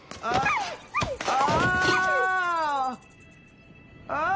ああ！